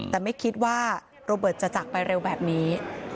แต่ไม่คิดว่าโรเบิร์ตจะจากไปเร็วแบบนี้